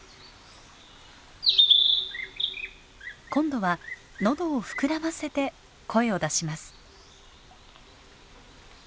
今度は喉を膨らませて声を出します。